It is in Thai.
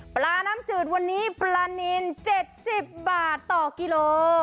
ปลาน้ำจืดวันนี้ปลานิน๗๐บาทต่อกิโล